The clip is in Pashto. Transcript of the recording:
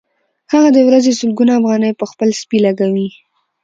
هغه د ورځې سلګونه افغانۍ په خپل سپي لګوي